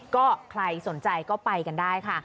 ก็ใครสนใจก็ไปกันได้ค่ะ